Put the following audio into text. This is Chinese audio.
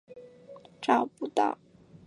找不到真实世界中的依靠